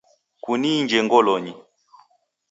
Kuniinje ngolonyi